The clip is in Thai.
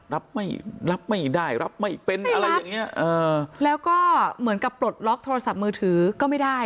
รับไม่ได้รับไม่เป็นไม่รับแล้วก็เหมือนกับปลดล็อคโทรศัพท์มือถือก็ไม่ได้